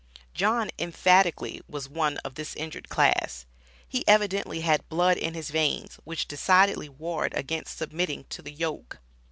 John emphatically was one of this injured class; he evidently had blood in his veins which decidedly warred against submitting to the yoke.